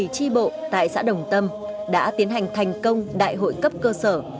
tri bộ tại xã đồng tâm đã tiến hành thành công đại hội cấp cơ sở